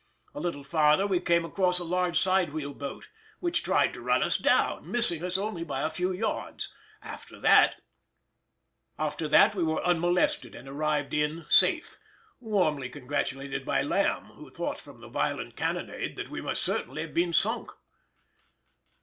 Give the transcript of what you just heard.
A little farther we came across a large side wheel boat, which tried to run us down, missing us only by a few yards; after that we were unmolested and arrived in safe, warmly congratulated by Lamb, who thought from the violent cannonade that we must certainly have been sunk.